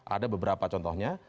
ada beberapa contohnya